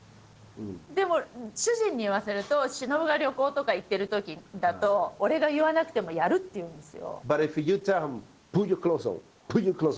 でも主人に言わせると「しのぶが旅行とか行ってるときだと俺が言わなくてもやる」って言うんですよ。